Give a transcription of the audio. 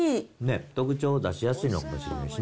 特徴を出しやすいのかもしれないですしね。